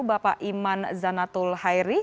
bapak iman zanatul hairi